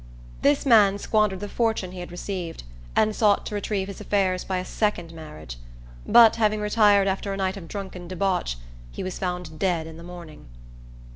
This man squandered the fortune he had received, and sought to retrieve his affairs by a second marriage; but, having retired after a night of drunken debauch, he was found dead in the morning.